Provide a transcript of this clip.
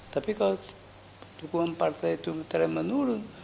tapi kalau dukungan partai itu tren menurun